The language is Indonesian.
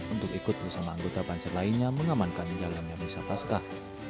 untuk ikut bersama anggota banser lainnya mengamankan jalannya misapaskah